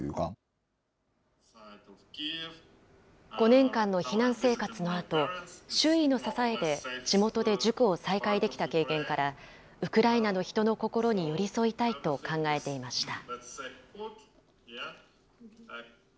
５年間の避難生活のあと、周囲の支えで地元で塾を再開できた経験から、ウクライナの人の心に寄り添いたいと考えていました。